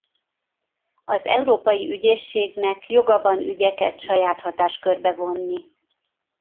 Az Európai Ügyészségnek joga van ügyeket saját hatáskörbe vonni.